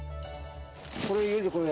これ入れとくこれ。